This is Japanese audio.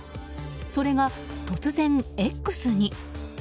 それが突然、Ｘに。